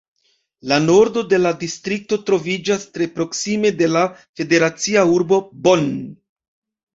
La nordo de la distrikto troviĝas tre proksime de la federacia urbo Bonn.